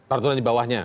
peraturan di bawahnya